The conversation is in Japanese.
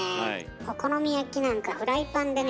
お好み焼きなんかフライパンでね